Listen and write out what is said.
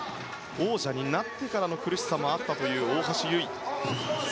王者になってからの苦しさもあったという大橋悠依。